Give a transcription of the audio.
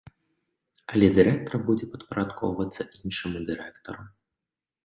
Але дырэктар будзе падпарадкоўвацца іншаму дырэктару.